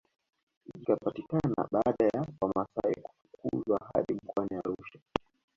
Likapatikana baada ya wamasai kufukuzwa hadi mkoani Arusha